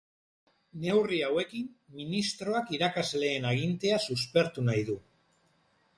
Neurri hauekin, ministroak irakasleen agintea suspertu nahi du.